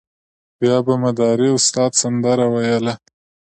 بیا به مداري استاد سندره ویله.